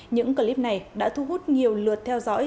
những clip này đã thu hút nhiều lượt theo dõi